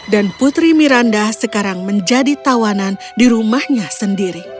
dan putri miranda sekarang menjadi tawanan di rumahnya sendiri